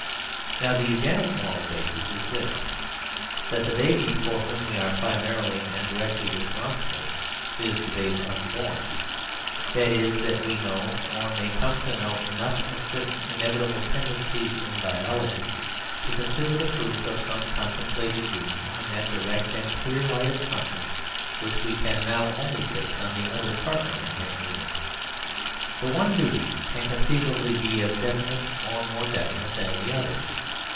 Now the Eugenic moral basis is this; that the baby for whom we are primarily and directly responsible is the babe unborn. That is, that we know (or may come to know) enough of certain inevitable tendencies in biology to consider the fruit of some contemplated union in that direct and clear light of conscience which we can now only fix on the other partner in that union. The one duty can conceivably be as definite as or more definite than the other.